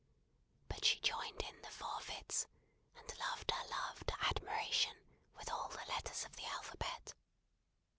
But she joined in the forfeits, and loved her love to admiration with all the letters of the alphabet.